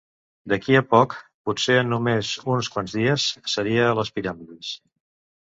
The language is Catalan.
D'aquí a poc, potser en només uns quants dies, seria a les piràmides.